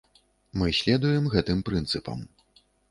Мы следуем гэтым прынцыпам.